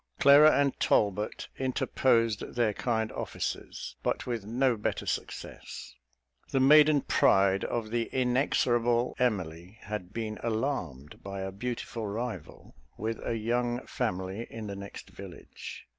Clara and Talbot interposed their kind offices, but with no better success. The maiden pride of the inexorable Emily had been alarmed by a beautiful rival, with a young family, in the next village.